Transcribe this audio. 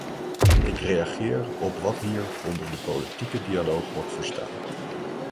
Ik reageer op wat hier onder de politieke dialoog wordt verstaan.